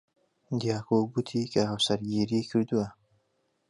دیاکۆ گوتی کە هاوسەرگیری کردووە.